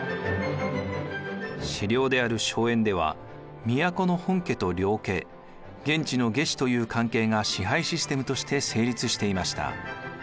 私領である荘園では都の本家と領家現地の下司という関係が支配システムとして成立していました。